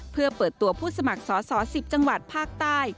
เพื่อเปิดตัวผู้สมัครสอสอ๑๐จังหวัดภาคใต้